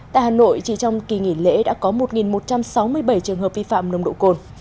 tại hà nội chỉ trong kỳ nghỉ lễ đã có một một trăm sáu mươi bảy trường hợp vi phạm nồng độ cồn